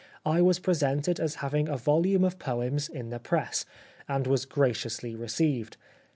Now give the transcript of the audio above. ... I was presented as having a volume of poems in the press, and was graciously received.